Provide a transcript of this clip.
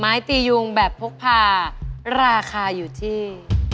ไม้ตียุงแบบพกพาราคาอยู่ที่